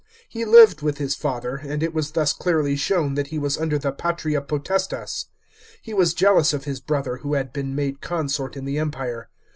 He lived with his father, and it was thus clearly shown that he was under the patria p otestas. He was jealous of his brother who had been made consort in the Empire.